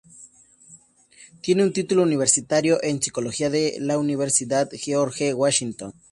Tiene un título universitario en psicología de la Universidad de George Washington.